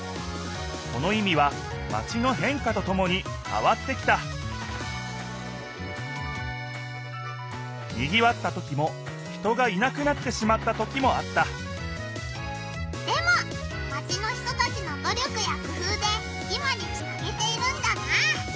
その意味はマチの変化とともにかわってきたにぎわったときも人がいなくなってしまったときもあったでもマチの人たちのど力や工夫で今につなげているんだな。